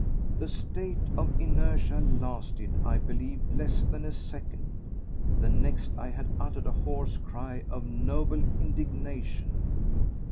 That state of inertia lasted, I believe, less than a second; the next I had uttered a hoarse cry of noble indignation.